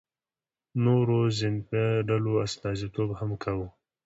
نورو ذینفع ډلو استازیتوب هم کاوه.